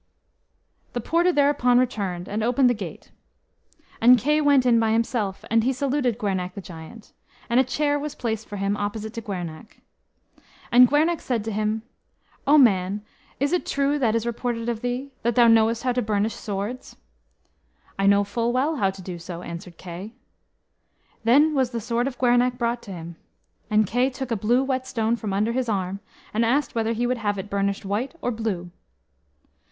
The porter thereupon returned and opened the gate. And Kay went in by himself, and he saluted Gwernach the Giant. And a chair was placed for him opposite to Gwernach. And Gwernach said to him, "O man, is it true that is reported of thee, that thou knowest how to burnish swords?" "I know full well how to do so," answered Kay. Then was the sword of Gwernach brought to him. And Kay took a blue whetstone from under his arm, and asked whether he would have it burnished white or blue.